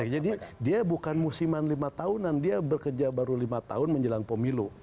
jadi dia bukan musiman lima tahunan dia bekerja baru lima tahun menjelang pemilu